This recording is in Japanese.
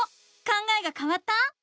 考えがかわった？